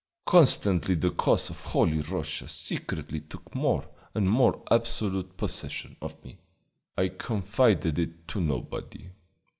Constantly the cause of Holy Russia secretly took more and more absolute possession of me. I confided it to nobody.